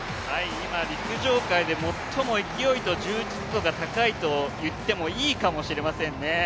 今陸上界で一番勢いの充実度が高いと言ってもいいかもしれませんね。